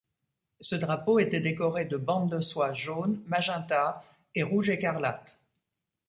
Ce drapeau était décoré de bandes de soie jaune, magenta et rouge écarlate.